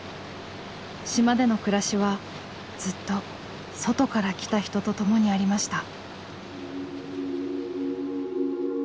島での暮らしはずっと外から来た人と共にありました。